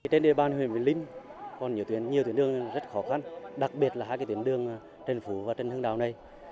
trên địa bàn huyện vĩnh linh còn nhiều tuyến đường rất khó khăn đặc biệt là hai tuyến đường trần phú và trần hưng đạo này